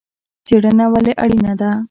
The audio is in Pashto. څیړنه ولې اړینه ده؟